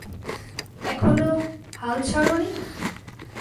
এখনো হাল ছাড়োনি?